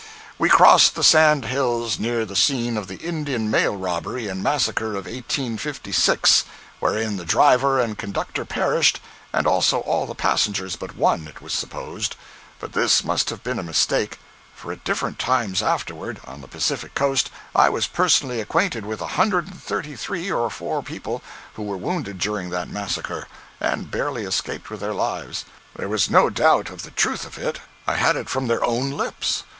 We crossed the sand hills near the scene of the Indian mail robbery and massacre of 1856, wherein the driver and conductor perished, and also all the passengers but one, it was supposed; but this must have been a mistake, for at different times afterward on the Pacific coast I was personally acquainted with a hundred and thirty three or four people who were wounded during that massacre, and barely escaped with their lives. There was no doubt of the truth of it—I had it from their own lips.